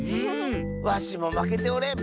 わしもまけておれん！